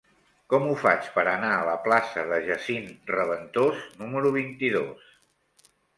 Com ho faig per anar a la plaça de Jacint Reventós número vint-i-dos?